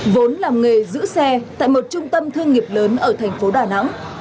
vốn làm nghề giữ xe tại một trung tâm thương nghiệp lớn ở thành phố đà nẵng